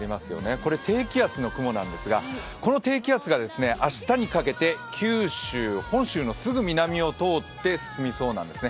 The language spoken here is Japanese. これ低気圧の雲なんですが、この低気圧が明日にかけて九州、本州のすぐ南を通って進みそうなんですね。